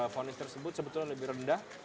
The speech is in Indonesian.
fonis tersebut sebetulnya lebih rendah